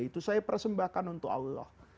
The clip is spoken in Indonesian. itu saya persembahkan untuk allah